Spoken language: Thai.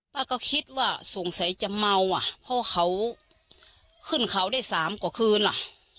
ป้าก็คิดว่าสงสัยจะเมาอ่ะเพราะเขาขึ้นเขาได้สามกว่าคืนอ่ะ